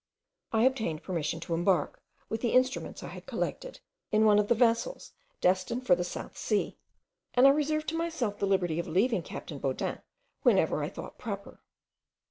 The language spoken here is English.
I obtained permission to embark, with the instruments I had collected, in one of the vessels destined for the South Sea, and I reserved to myself the liberty of leaving captain Baudin whenever I thought proper.